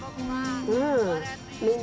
うん。